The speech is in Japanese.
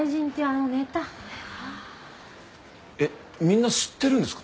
えっみんな知ってるんですか？